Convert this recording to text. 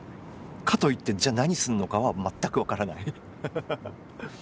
かといってじゃ何すんのかは全く分からない。